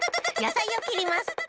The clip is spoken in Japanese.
やさいをきります！